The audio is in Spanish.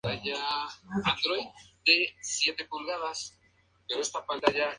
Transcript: Algunas de las canciones eran de su álbum independiente, That's What People Do.